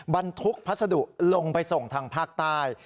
บรรทุกพัสดุลงไปส่งทางภาคใต้